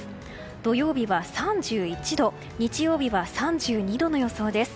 土曜日は３１度日曜日は３２度の予想です。